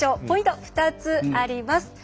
ポイント、２つあります。